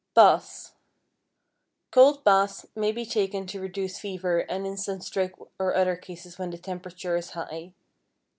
=Baths.= Cold baths may be taken to reduce fever and in sunstroke and other cases when the temperature is high.